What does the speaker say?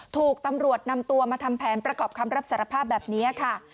ถูกตำรวจนำตัวมาทำแผนประกอบคำรับสารภาพแบบนี้ค่ะ